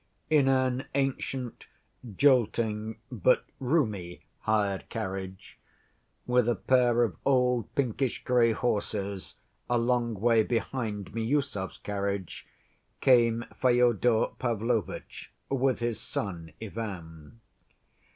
In an ancient, jolting, but roomy, hired carriage, with a pair of old pinkish‐gray horses, a long way behind Miüsov's carriage, came Fyodor Pavlovitch, with his son Ivan.